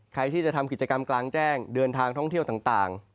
ใครที่จะทำกิจกรรมกลางแจ้งเดินทางท่องเที่ยวต่าง